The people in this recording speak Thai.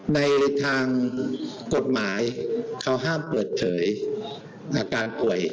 ในทางกฎหมายเขาห้ามเปิดเผยอาการป่วย